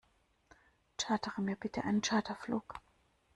Chartere mir bitte einen Charterflug!